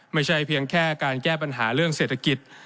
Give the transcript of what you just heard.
ไม่ใช่เพียงแค่การแก้ปัญหาเรื่องเศรษฐกิจ